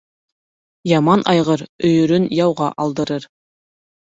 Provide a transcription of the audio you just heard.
Яман айғыр өйөрөн яуға алдырыр